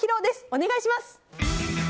お願いします。